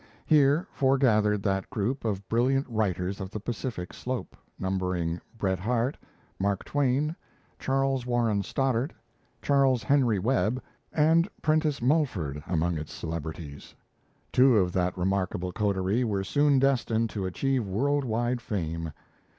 Here forgathered that group of brilliant writers of the Pacific Slope, numbering Bret Harte, Mark Twain, Charles Warren Stoddard, Charles Henry Webb, and Prentice Mulford among its celebrities; two of that remarkable coterie were soon destined to achieve world wide fame.